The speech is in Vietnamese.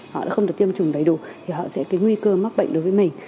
họ đã không được tiêm chủng đầy đủ thì họ sẽ cái nguy cơ mắc bệnh đối với mình